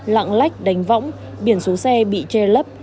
lặng lách đánh võng biển xuống xe bị che lấp